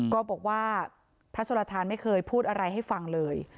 ก็บอกว่าพระโชลทานไม่เคยพูดอะไรให้ฟังเลย